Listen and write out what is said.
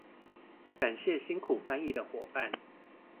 感謝辛苦翻譯的夥伴